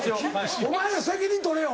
お前ら責任取れよ。